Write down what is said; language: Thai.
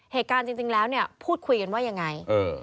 เหตุการณ์จริงแล้วเนี่ยพูดคุยกันว่ายังไง